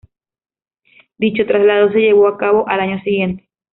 Dicho traslado se llevó a cabo al año siguiente.